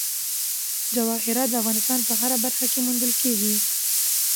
جواهرات د افغانستان په هره برخه کې موندل کېږي.